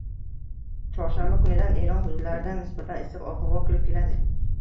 Chorshanba kunidan Eron hududlaridan nisbatan issiq ob-havo kirib keladi